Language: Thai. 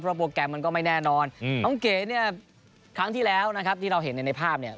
โปรแกรมมันก็ไม่แน่นอนน้องเก๋เนี่ยครั้งที่แล้วนะครับที่เราเห็นในภาพเนี่ย